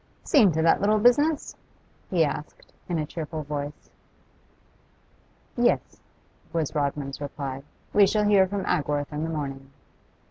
'Seen to that little business?' he asked, in a cheerful voice. 'Yes,' was Rodman's reply. 'We shall hear from Agworth in the morning.